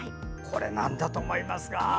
これなんだと思いますか？